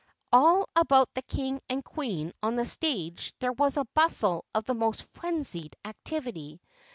All about the King and Queen on the stage there was a bustle of the most frenzied activity.